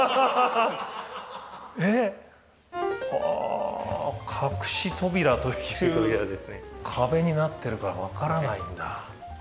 はあ隠し扉という壁になってるから分からないんだ。